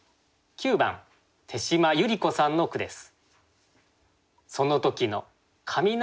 ９番手島百合子さんの句です。